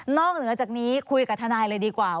เหนือจากนี้คุยกับทนายเลยดีกว่า